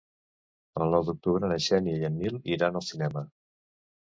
El nou d'octubre na Xènia i en Nil iran al cinema.